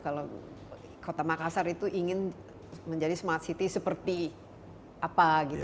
kalau kota makassar itu ingin menjadi smart city seperti apa gitu